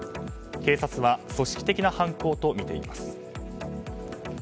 警察は組織的な犯行とみています。